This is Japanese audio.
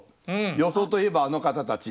予想といえばあの方たち。